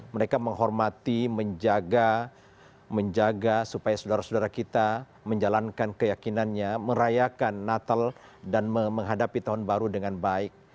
mereka menghormati menjaga menjaga supaya saudara saudara kita menjalankan keyakinannya merayakan natal dan menghadapi tahun baru dengan baik